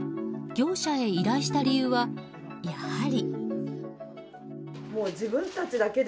業者へ依頼した理由はやはり。